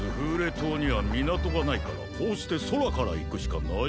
島にはみなとがないからこうしてそらからいくしかないんだ。